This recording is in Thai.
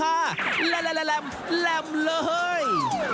แหล่มแหล่มเลย